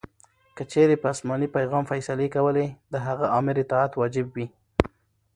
کې چیري په اسماني پیغام فیصلې کولې؛ د هغه آمر اطاعت واجب يي.